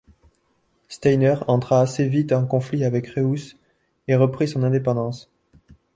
Steiner entra assez vite en conflit avec Reuss et reprit son indépendance.